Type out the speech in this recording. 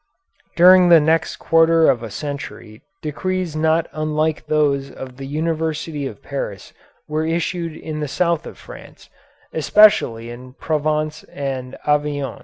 During the next quarter of a century decrees not unlike those of the University of Paris were issued in the south of France, especially in Provence and Avignon.